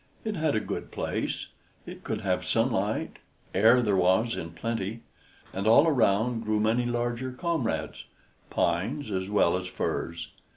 It had a good place; it could have sunlight, air there was in plenty, and all around grew many larger comrades pines as well as firs.